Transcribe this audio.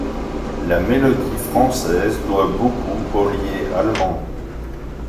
La mélodie française doit beaucoup au Lied allemand.